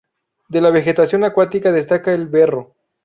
De la vegetación acuática destaca el berro.